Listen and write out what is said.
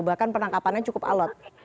bahkan penangkapannya cukup alot